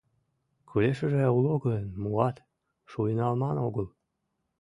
Кӱлешыже уло гын, муат, шуйнылман огыл...